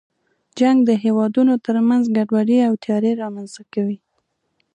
جنګ د هېوادونو تر منځ ګډوډي او تېرې رامنځته کوي.